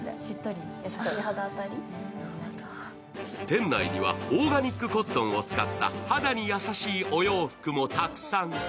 店内にはオーガニックコットンを使った肌に優しいお洋服もたくさん。